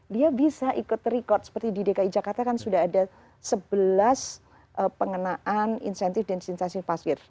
dia bisa ikut rekod seperti di dki jakarta kan sudah ada sebelas pengenaan insentif dan disinsasi pasir